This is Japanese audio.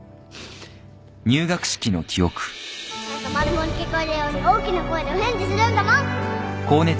ちゃんとマルモに聞こえるように大きな声でお返事するんだもん